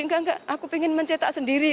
enggak enggak aku ingin mencetak sendiri